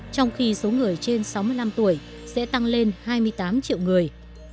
trong khi số người trên sáu mươi năm tuổi sẽ tăng lên hai mươi tám triệu người